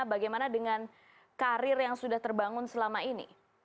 bagaimana dengan karir yang sudah terbangun selama ini